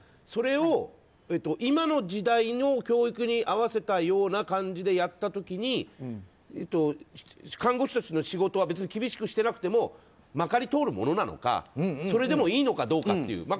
それを、今の時代の教育に合わせたような感じでやった時に看護師としての仕事は厳しくしてなくてもまかり通るものなのかそれでもいいのかどうかっていう。